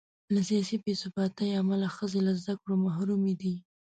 له سیاسي بې ثباتۍ امله ښځې له زده کړو محرومې دي.